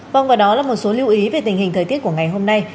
vâng và đó là một số lưu ý về tình hình thời tiết của ngày hôm nay